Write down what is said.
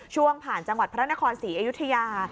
ช่วงผ่านจังหวัดพระนครศรีอยุธยา